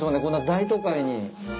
こんな大都会に。